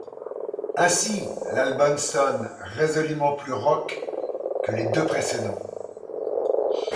Ainsi, l'album sonne résolument plus rock que les deux précédents.